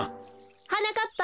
はなかっぱ。